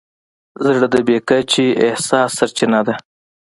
زړه د بې کچې احساس سرچینه ده.